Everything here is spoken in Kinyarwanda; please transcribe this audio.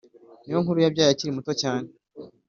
Niyonkuru yabyaye akiri muto cyane